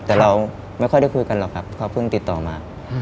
แต่เราไม่ค่อยได้คุยกันหรอกครับเขาเพิ่งติดต่อมา